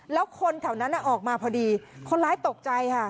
แล้วคนแถวนั้นออกมาพอดีคนร้ายตกใจค่ะ